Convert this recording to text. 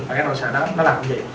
và cái nỗi sợ nó làm như vậy